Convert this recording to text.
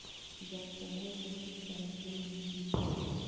za kuongoza tu kwa mihula miwili